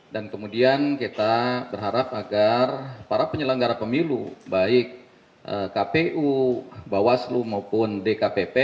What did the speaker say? kemudian kita berharap agar para penyelenggara pemilu baik kpu bawaslu maupun dkpp